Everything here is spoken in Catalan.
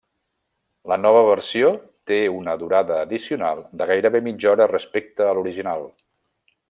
La nova versió té una durada addicional de gairebé mitja hora respecte a l'original.